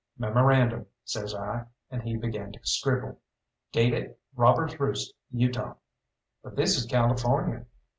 "Memorandum," says I, and he began to scribble; "date it 'Robbers' Roost, Utah.'" "But this is California!"